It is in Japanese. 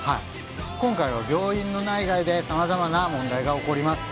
今回は病院の内外でさまざまな問題が起こります。